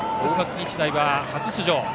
日大は初出場。